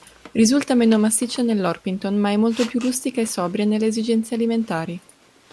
Risulta meno massiccia dell'Orpington ma e molto più rustica e sobria nelle esigenze alimentari.